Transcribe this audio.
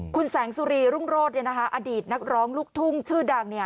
คุณแสงสุรีรุ่งโรธเนี่ยนะคะอดีตนักร้องลูกทุ่งชื่อดังเนี่ย